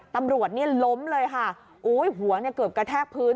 ตำรวจล้มเลยค่ะหัวเกือบกระแทกพื้น